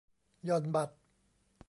หย่อนบัตร